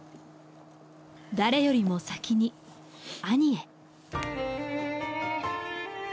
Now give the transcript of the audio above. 誰よりも先に兄へ。